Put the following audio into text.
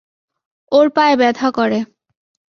ওর পায়ে ব্যথা করে।